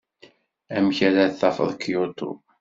Amek ara d-tafeḍ Kyoto?